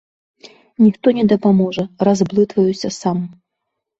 Ніхто не дапаможа, разблытваюся сам.